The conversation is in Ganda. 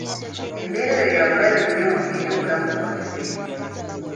Embeera eyo ya bulabe nnyo eri obulamu bwaffe.